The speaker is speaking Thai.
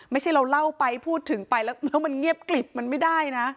ไม่ใช่เราเล่าไปพูดถึงไปแล้วมันเงียบกลิบมันไม่ได้นะ